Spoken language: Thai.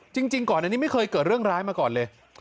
จริงก่อนอันนี้ไม่เคยเกิดเรื่องร้ายมาก่อนเลย